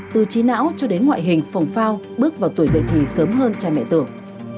từ trí não cho đến ngoại hình phồng phao bước vào tuổi dạy thì sớm hơn trẻ mẹ tưởng